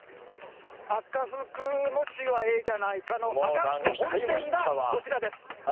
赤福餅はええじゃないかの赤福本店がこちらです。